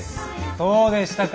どうでしたか？